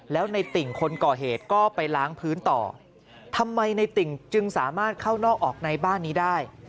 แล้วในติ่งคนก่อเหตุก็ไปล้างพื้นต่อทำไมในติ่งจึงสามารถเข้านอกออกในบ้านนี้ได้